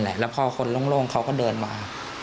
แล้วพอคนโล่งเขาก็เดินมา